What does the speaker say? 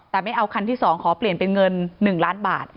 แต่ไม่เอาคันที่๒ขอเปลี่ยนเป็นเงิน๑ล้านบาท